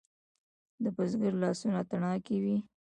د بزګر لاسونه تڼاکې وي.